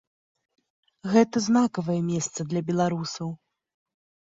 Гэта знакавае месца для беларусаў.